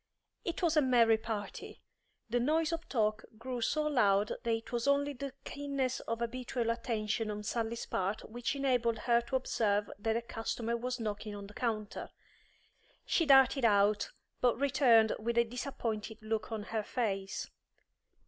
It was a merry party. The noise of talk grew so loud that it was only the keenness of habitual attention on Sally's part which enabled her to observe that a customer was knocking on the counter. She darted out, but returned with a disappointed look on her face.